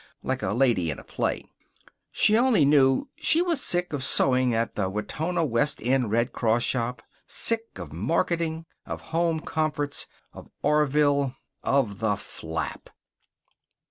like a lady in a play. She only knew she was sick of sewing at the Wetona West End Red Cross shop; sick of marketing, of home comforts, of Orville, of the flap.